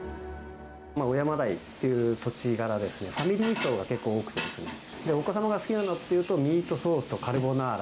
尾山台という土地柄ですね、ファミリー層が結構多くてですね、お子様が好きなのっていうと、ミートソースとカルボナーラ。